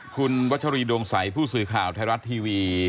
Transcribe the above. คุณวัชรีดวงใสผู้สื่อข่าวไทยรัฐทีวี